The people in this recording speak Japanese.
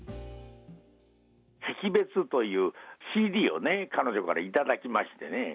惜別というＣＤをね、彼女から頂きましてね。